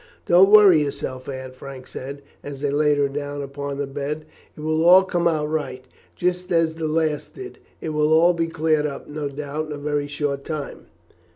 "Don't you worry yourself, Aunt," Frank said, as they laid her down upon the bed; "it will all come out right, just as the last did. It will all be cleared up, no doubt, in a very short time."